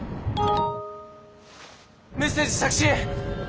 メッセージ着信！